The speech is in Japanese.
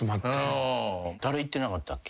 誰いってなかったっけ？